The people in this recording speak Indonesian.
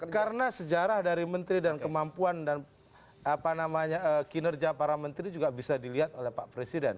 karena sejarah dari menteri dan kemampuan dan apa namanya kinerja para menteri juga bisa dilihat oleh pak presiden